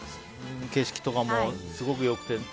景色とかもすごく良くて。